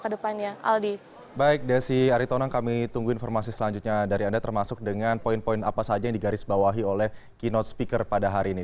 degarisbawahi oleh keynote speaker pada hari ini